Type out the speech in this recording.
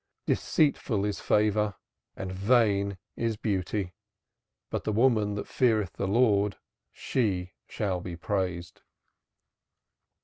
Deceitful is favor and vain is beauty, but the woman that feareth the Lord, she shall be praised."